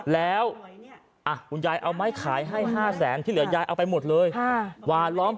แล้ว